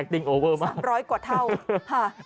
โรงพยาบาล